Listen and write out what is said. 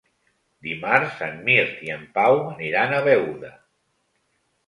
Dimarts en Mirt i en Pau aniran a Beuda.